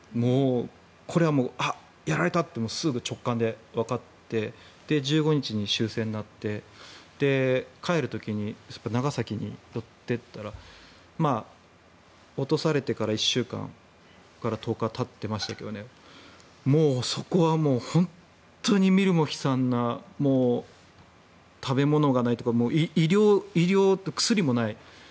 これはもうやられたとすぐ直感でわかって１５日に終戦になって帰る時に長崎に寄っていったら落とされてから１週間から１０日たってましたけどもうそこは本当に見るも悲惨な食べ物がないというか医療薬もない。